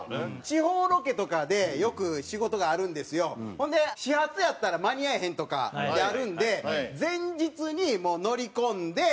ほんで始発やったら間に合えへんとかってあるんで前日にもう乗り込んで。